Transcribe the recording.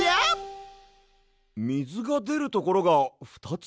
みずがでるところがふたつ？